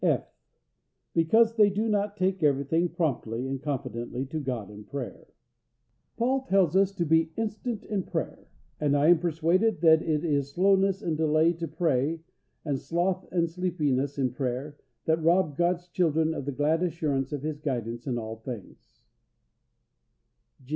(f) Because they do not take everything promptly and confidently to God in prayer. Paul tells us to be "instant in prayer"; and I am persuaded that it is slowness and delay to pray, and sloth and sleepiness in prayer, that rob God's children of the glad assurance of His guidance in all things.